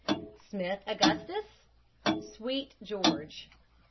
SMITH, AUGUSTUS. SWEET, GEORGE.